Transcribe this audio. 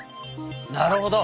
なるほど。